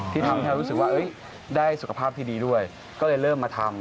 ที่ทำให้เรารู้สึกว่าได้สุขภาพที่ดีด้วยก็เลยเริ่มมาทำ